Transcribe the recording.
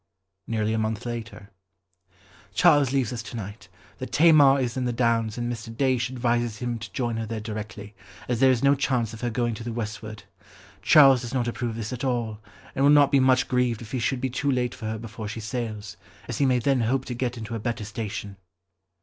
Nearly a month later— "Charles leaves us to night, the Tamar is in the Downs and Mr. Daysh advises him to join her there directly, as there is no chance of her going to the westward. Charles does not approve of this at all, and will not be much grieved if he should be too late for her before she sails, as he may then hope to get into a better station."